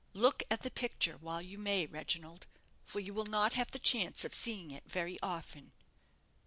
"Look at the picture while you may, Reginald, for you will not have the chance of seeing it very often."